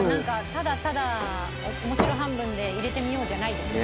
ただただ面白半分で「入れてみよう」じゃないですね。